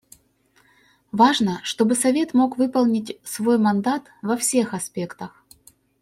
Важно, чтобы Совет мог выполнить свой мандат во всех аспектах.